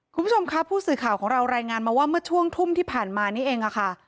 คุณผู้ชมค่ะผู้สื่อข่าวของเรารายงานมาว่าเมื่อช่วงทุ่มที่ผ่านมานี่เองค่ะ